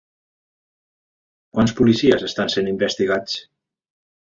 Quants policies estan sent investigats?